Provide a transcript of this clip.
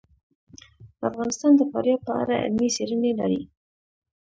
افغانستان د فاریاب په اړه علمي څېړنې لري.